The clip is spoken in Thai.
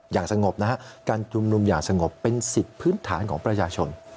อย่างสงบนะฮะการชุมนุมอย่างสงบเป็นสิทธิ์พื้นฐานของประชาชน